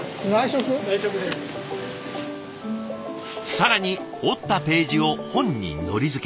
更に折ったページを本にのり付け。